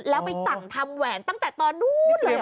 แล้วไปสั่งทำแหวนตั้งแต่ตอนนู้นเลยเหรอ